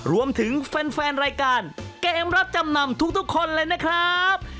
รวมถึงแฟนรายการเกมรับจำนำทุกคนเลยนะครับ